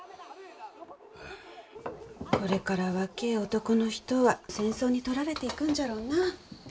これから若え男の人は戦争に取られていくんじゃろうなあ。